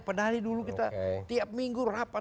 pernah lagi dulu kita tiap minggu rapat